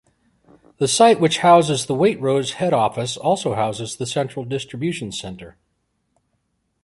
The site which houses the Waitrose head office also houses the central distribution centre.